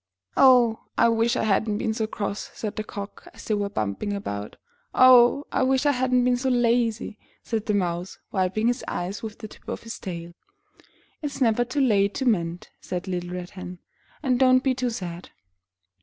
''Oh, I wish I hadn*t been so cross,'' said the Cock, as they went bumping about. ''Oh! I wish I hadn't been so lazy," said the Mouse, wiping his eyes with the tip of his tail. "It's never too late to mend," said the little Red Hen. "And don't be too sad.